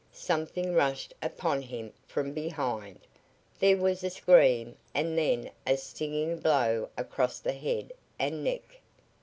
Something rushed upon him from behind; there was a scream and then a stinging blow across the head and neck.